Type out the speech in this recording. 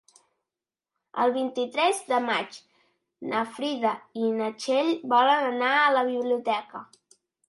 El vint-i-tres de maig na Frida i na Txell volen anar a la biblioteca.